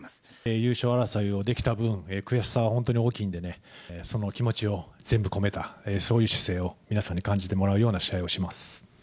優勝争いをできた分、悔しさは本当に大きいんでね、その気持ちを全部込めた、そういう姿勢を皆さんに感じてもらうような試合をします。